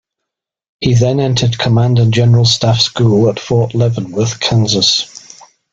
He then entered Command and General Staff School at Fort Leavenworth, Kansas.